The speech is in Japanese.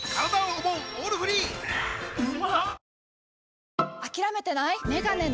うまっ！